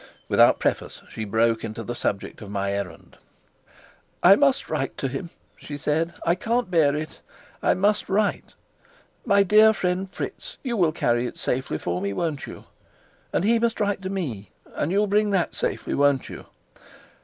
Without preface she broke into the subject of my errand. "I must write to him," she said. "I can't bear it, I must write. My dear friend Fritz, you will carry it safely for me, won't you? And he must write to me. And you'll bring that safely, won't you?